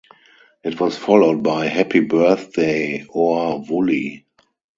It was followed by "Happy Birthday Oor Wullie".